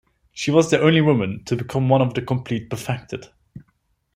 She was the only woman to become one of the Complete Perfected.